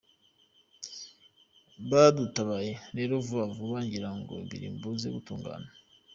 Badutabaye rero vuba vuba, ngira ngo biri buze gutungana.